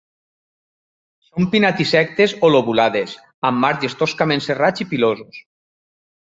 Són pinnatisectes o lobulades, amb marges toscament serrats i pilosos.